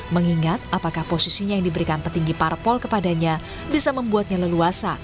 mengingat apakah posisinya yang diberikan petinggi parpol kepadanya bisa membuatnya leluasa